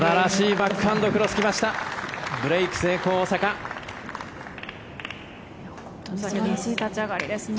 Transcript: バックハンドクロス来ました。